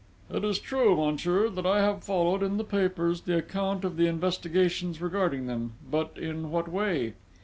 "It is true, monsieur, that I have followed, in the papers, the account of the investigations regarding them: but, in what way?..."